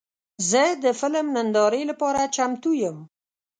زه د فلم نندارې لپاره چمتو یم.